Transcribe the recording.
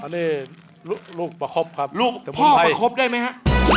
อันนี้ลูกประคบครับลูกจะพูดประคบได้ไหมฮะ